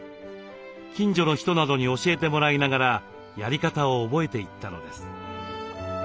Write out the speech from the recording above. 近所の人などに教えてもらいながらやり方を覚えていったのです。